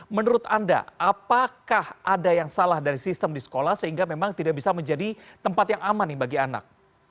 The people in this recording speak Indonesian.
menurut anda apakah ada yang salah dari sistem di sekolah sehingga memang tidak bisa menjadi tempat yang aman nih bagi anak